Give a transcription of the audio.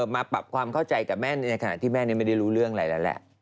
มาปรับความเข้าใจกับแม่ในขณะที่แม่นี้ไม่ได้รู้เรื่องอะไรแล้วแหละ